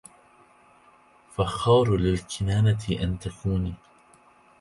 فخار للكنانة أن تكوني